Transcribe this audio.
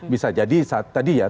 bisa jadi tadi ya